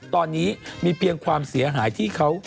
ตอนนี้มีเพียงความเสียหายที่เขา